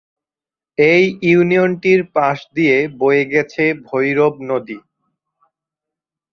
এই ইউনিয়নটির পাশ দিয়ে বয়ে গেছে ভৈরব নদী।